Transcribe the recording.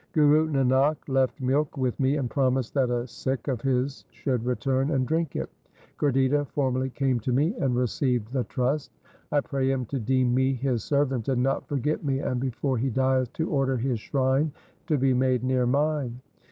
Guru Nanak left milk with me and promised that a Sikh of his should return and drink it. Gurditta formerly came to me and received the trust. I pray him to deem me his servant and not forget me, and before he dieth to order his shrine to be made near mine.'